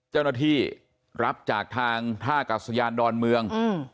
เจ้าหน้าที่รับจากทางท่ากัศยานดอนเมือง